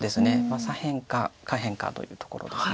左辺か下辺かというところです。